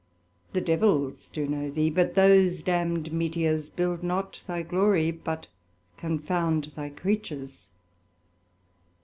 The Devils do know Thee, but those damn'd Meteors Build not thy Glory, but confound thy Creatures.